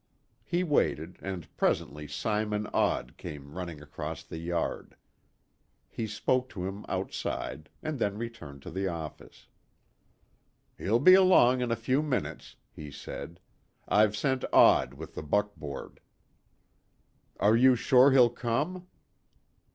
He waited, and presently Simon Odd came hurrying across the yard. He spoke to him outside, and then returned to the office. "He'll be along in a few minutes," he said. "I've sent Odd with the buckboard." "Are you sure he'll come?"